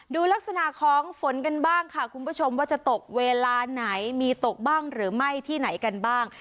ดูลักษณะของฝนกันบ้างค่ะคุณผู้ชมว่าจะตกเวลาไหนมีตกบ้างหรือไม่ที่ไหนกันบ้าง